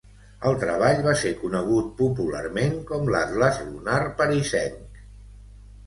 El treball va ser conegut popularment com l'Atles lunar parisenc.